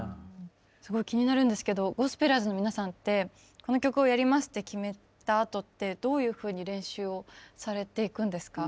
すごい気になるんですけどゴスペラーズの皆さんってこの曲をやりますって決めたあとってどういうふうに練習をされていくんですか？